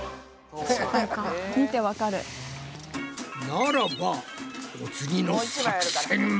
ならばお次の作戦は？